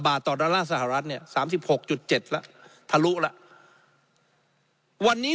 บาทต่อดอลลาร์สหรัฐเนี่ยสามสิบหกจุดเจ็ดละทะลุละวันนี้